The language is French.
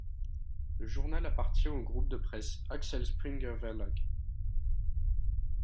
Le journal appartient au groupe de presse Axel Springer Verlag.